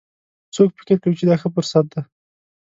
څوک فکر کوي چې دا ښه فرصت ده